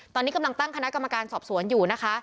ตอนนี้กำลังตั้งคณะกรรมการสอบสวนอยู่นะคะ